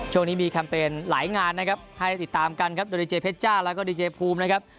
ช่วงนี้มีแคมเปญหลายงานนะครับให้ได้ติดตามกันครับโดยดีเจเพชจ้าแล้วก็ดีเจภูมินะครับ